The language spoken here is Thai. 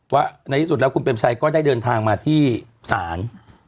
ว่าในที่สุดแล้วคุณเปรมชัยก็ได้เดินทางมาที่ศาล